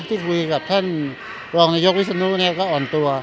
ที่คุยกับท่านรองนายกวิศนุเนี่ยก็อ่อนตัว